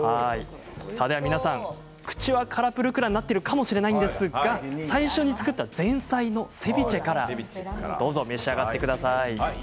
皆さん、口がカラプルクラになってるかもしれないんですが最初に作った前菜のセビチェからどうぞ召し上がってください。